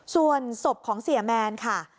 ส่วนศพของเสียแมนค่ะ